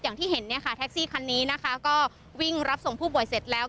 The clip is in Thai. อย่างที่เห็นแท็กซี่คันนี้ก็วิ่งรับส่งผู้ป่วยเสร็จแล้ว